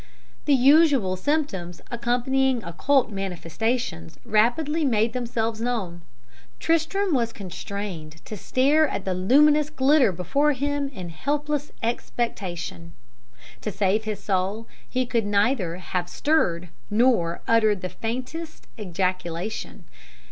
"The usual symptoms accompanying occult manifestations rapidly made themselves known. Tristram was constrained to stare at the luminous glitter before him in helpless expectation; to save his soul he could neither have stirred nor uttered the faintest ejaculation.